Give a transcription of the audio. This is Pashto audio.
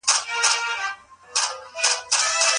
تعليم د پوهي پراختيا کوي.